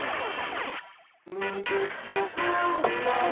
「むぎゅっとこんなの」